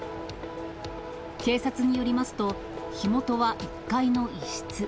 警察によりますと、火元は１階の一室。